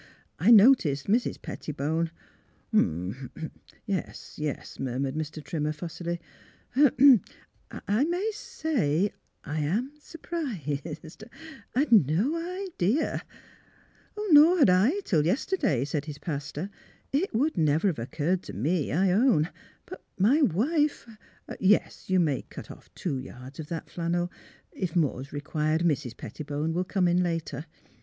I noticed Mrs. Pettibone "" Hum! Yes, yes! " murmured Mr. Trimmer, fussily. '' Er — I may say I am surprised. I had no idea "*' Nor had I, till yesterday," said his pastor. It would never have occurred to me, I own ; but my wife Yes ; you may cut off two yards of that flannel. If more is required, Mrs. Petti bone will come in later.